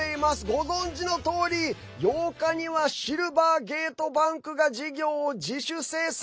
ご存じのとおり、８日にはシルバーゲートバンクが事業を自主清算。